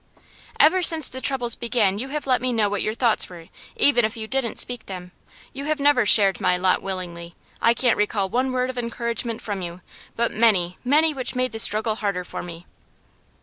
'Ever since the troubles really began you have let me know what your thoughts were, even if you didn't speak them. You have never shared my lot willingly. I can't recall one word of encouragement from you, but many, many which made the struggle harder for me.